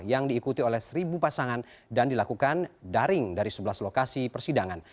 yang diikuti oleh seribu pasangan dan dilakukan daring dari sebelas lokasi persidangan